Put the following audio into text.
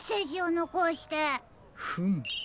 フム！